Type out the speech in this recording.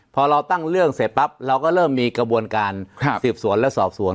พอเราตั้งเรื่องเสร็จปั๊บเราก็เริ่มมีกระบวนการสืบสวนและสอบสวน